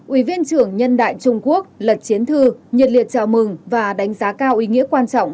ủy viên trưởng nhân đại trung quốc lật chiến thư nhiệt liệt chào mừng và đánh giá cao ý nghĩa quan trọng